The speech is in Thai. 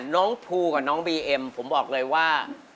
น้องภูกับน้องบีเอ็มผมบอกเลยว่า